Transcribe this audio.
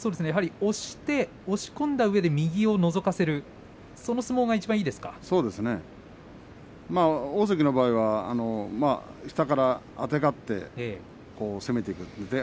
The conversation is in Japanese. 押し込んだうえで右をのぞかせるそうですね大関の場合は下からあてがって攻めていく。